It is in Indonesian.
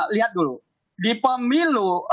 lihat dulu di pemilu